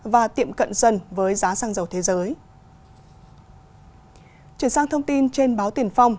và tiệm cận dần với giá xăng dầu thế giới